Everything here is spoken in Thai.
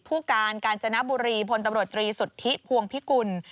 ผู้การกาญจนบุรีพลตำรวจตรีสุทธิพวงพิกุล